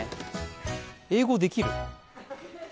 英語できる？